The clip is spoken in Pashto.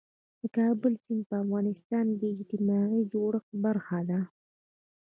د کابل سیند د افغانستان د اجتماعي جوړښت برخه ده.